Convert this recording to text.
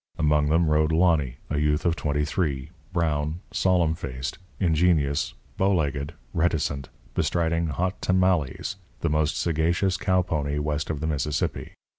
Among them rode Lonny, a youth of twenty three, brown, solemn faced, ingenuous, bowlegged, reticent, bestriding Hot Tamales, the most sagacious cow pony west of the Mississippi.